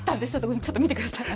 ちょっと見てください。